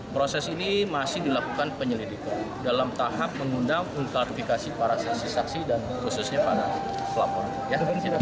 proses ini masih dilakukan penyelidikan dalam tahap mengundang mengklarifikasi para saksi saksi dan khususnya para pelapor